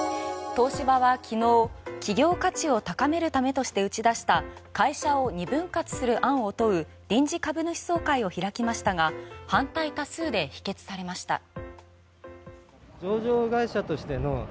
東芝は昨日、企業価値を高めるためとして打ち出した会社を２分割する案を問う臨時株主総会を開きましたが反対多数で否決されました。